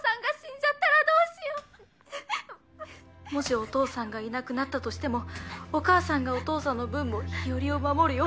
もしお父さんがいなくなったとしてもお母さんがお父さんの分も日和を守るよ。